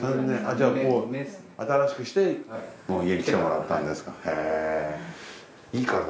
じゃあ新しくして家に来てもらったんですかへ。